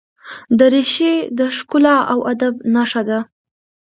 دریشي د ښکلا او ادب نښه ده.